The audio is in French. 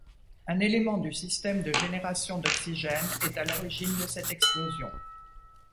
Un élément du système de génération d'oxygène est à l'origine de cette explosion.